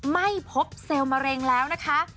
ไม่พบเซลล์มะเร็งแล้วนะคะ